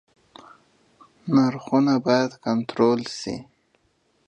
نرخونه بايد کنټرول سي.